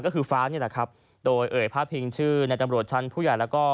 ก็คือฟ้านี่แหละครับโดยเอ่ยพาดพิงชื่อในตำรวจชั้นผู้ใหญ่แล้วก็